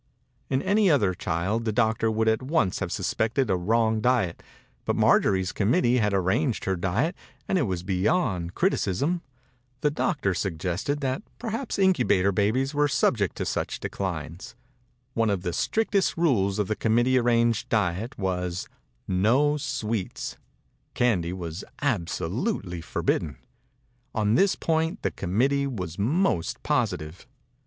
In any other child the doctor would at once have suspected a wrong diet, but Marjorie*s com mittee had arranged her diet and it was beyond criticism. The doctor suggested that perhaps 96 THE INCUBATOR BABY incubator babies were subject to such declines. One of the strictest rules of the committee arranged diet was "no sweets." Candy was absolutely forbidden. On this point the committee was most positive.